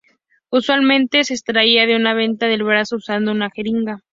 Usualmente es extraída de una vena del brazo usando una jeringa.